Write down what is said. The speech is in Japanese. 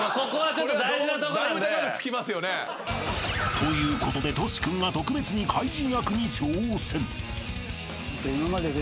［ということでとし君が特別に怪人役に挑戦］